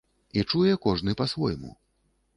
І чуе кожны па-свойму.